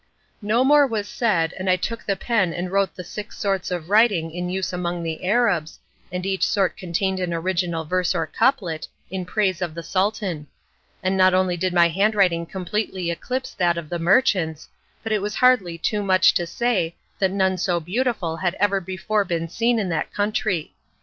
No more was said, and I took the pen and wrote the six sorts of writing in use among the Arabs, and each sort contained an original verse or couplet, in praise of the Sultan. And not only did my handwriting completely eclipse that of the merchants, but it is hardly too much to say that none so beautiful had ever before been seen in that country.